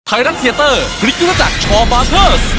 ไทรลันด์เทียเตอร์ฤทธิศจากชอบาเทอร์ส